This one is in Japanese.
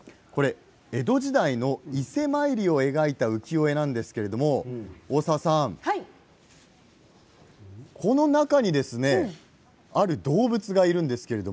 江戸時代の伊勢参りを描いた浮世絵なんですけれど大沢さん、この中にある動物がいるんですけれど。